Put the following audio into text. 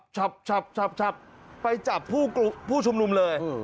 ชับไปจับผู้ชุมนุมเลย